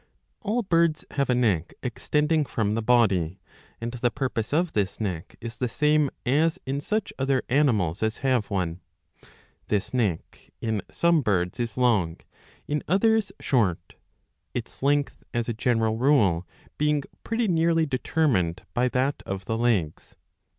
All birds have a neck extending from the body ; and the purpose of this neck is the same as in such other animals as have one.' This neck in some birds is long, in others short ; its length as a general rule being pretty nearly determined by that of the legs.